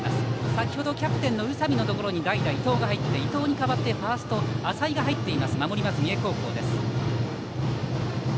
先程キャプテンの宇佐美のところに代打、伊藤が入って伊藤に代わってファースト浅井が入っています